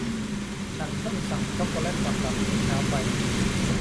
ฉันพึ่งสั่งช็อคโกแลตสำหรับมื้อเช้าไป